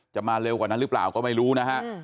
มาเร็วกว่านั้นหรือเปล่าก็ไม่รู้นะฮะ